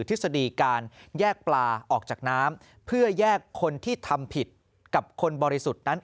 ทฤษฎีการแยกปลาออกจากน้ำเพื่อแยกคนที่ทำผิดกับคนบริสุทธิ์นั้น